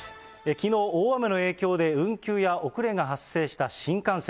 きのう、大雨の影響で運休や遅れが発生した新幹線。